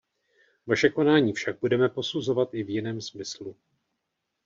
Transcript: Vaše konání však budeme posuzovat i v jiném smyslu.